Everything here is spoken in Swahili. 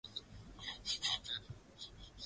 usika wengine wanaotakiwa na mahakama hiyo